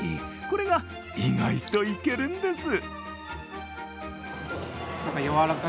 これが以外といけるんです。